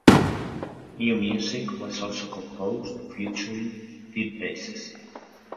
New music was also composed featuring deep basses.